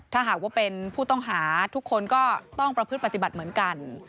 ถ้าหากว่าเป็นผู้ต้องหาทุกคนก็ต้องประพฤติปฏิบัติเหมือนกัน